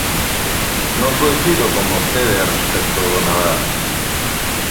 Non coincido con vostede respecto do Nadal.